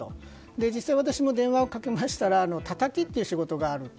実際、私も電話をかけましたらたたきという仕事があると。